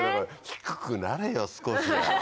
低くなれよ少しは。